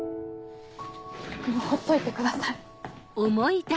もうほっといてください。